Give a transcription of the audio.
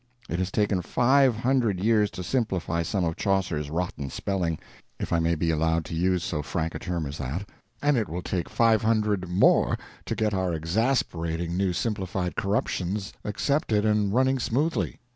It has taken five hundred years to simplify some of Chaucer's rotten spelling—if I may be allowed to use so frank a term as that—and it will take five hundred more to get our exasperating new Simplified Corruptions accepted and running smoothly.